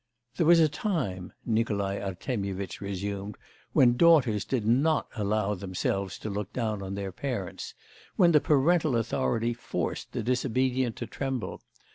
'There was a time,' Nikolai Artemyevitch resumed, 'when daughters did not allow themselves to look down on their parents when the parental authority forced the disobedient to tremble.